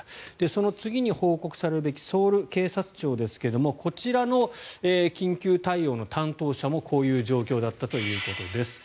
その次に報告されるべきソウル警察庁ですがこちらの緊急対応の担当者もこういう状況だったということです。